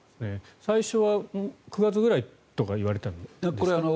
最初は９月ぐらいとか言われていたんですか？